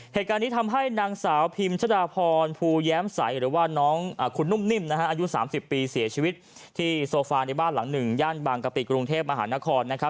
เหตุการณ์นี้ทำให้นางสาวพิมชะดาพรภูแย้มใสหรือว่าน้องคุณนุ่มนิ่มอายุ๓๐ปีเสียชีวิตที่โซฟาในบ้านหลังหนึ่งย่านบางกะปิกรุงเทพมหานครนะครับ